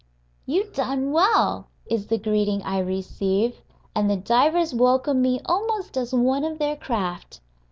"You done well," is the greeting I receive; and the divers welcome me almost as one of their craft.